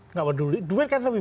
nggak peduli aja duit kan lebih